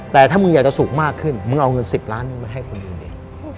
แต่ถ้ามึงอยากจะสุกมากขึ้นมึงเอาเงิน๑๐ล้านมึงมาให้คนอื่นดิ